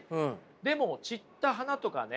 でも散った花とかね